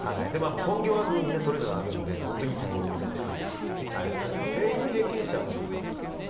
本業はみんなそれぞれあるので本当にいいタイミングでって全員、経験者なんですか？